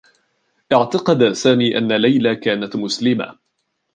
اعتقد سامي أنّ ليلى كانت مسلمة.